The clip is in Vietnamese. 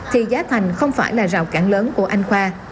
thì giá thành không phải là rào cản lớn của anh khoa